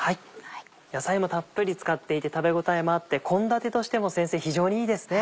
野菜もたっぷり使っていて食べ応えもあって献立としても先生非常にいいですね。